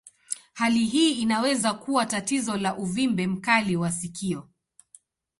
Hali hii inaweza kuwa tatizo la uvimbe mkali wa sikio.